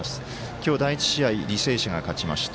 今日、第１試合履正社が勝ちました。